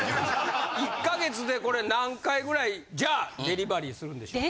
１か月でこれ何回ぐらいじゃあデリバリーするんでしょうか。